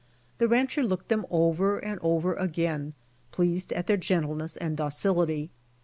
The rancher looked them over and over again, pleased at their gentleness and docility.